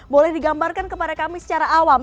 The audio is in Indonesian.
boleh digambarkan kepada kami secara awam